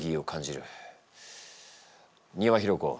丹羽裕子